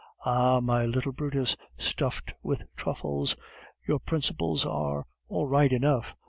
"Ah, my little Brutus, stuffed with truffles, your principles are all right enough.